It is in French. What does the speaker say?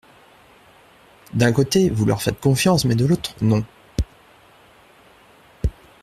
D’un côté, vous leur faites confiance mais, de l’autre, non.